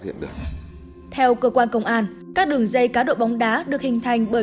của nó có thể phát hiện được theo cơ quan công an các đường dây cá độ bóng đá được hình thành bởi